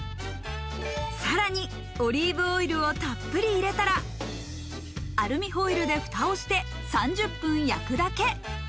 さらにオリーブオイルをたっぷり入れたらアルミホイルで蓋をして３０分焼くだけ。